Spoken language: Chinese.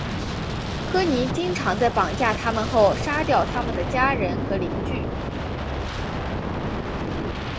科尼经常在绑架他们后杀掉他们的家人和邻居。